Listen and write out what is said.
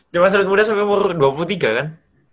timnas elit muda sampai umur dua puluh tiga kan